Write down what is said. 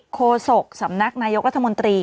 โศกสำนักนายกรัฐมนตรี